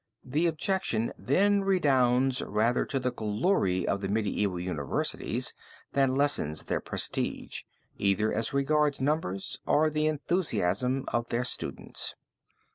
The objection then redounds rather to the glory of the medieval universities than lessens their prestige, either as regards numbers or the enthusiasm of their students.